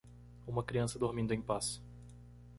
Uma criança dormindo em paz